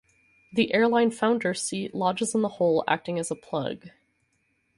The airline founder's seat lodges in the hole, acting as a plug.